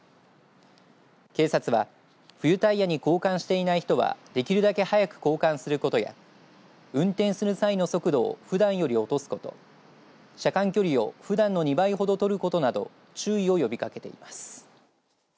警察は冬タイヤに交換していない人はできるだけ早く交換することや運転する際の速度をふだんより落とすこと車間距離をふだんの２倍ほど取ることなど注意を呼びかけています。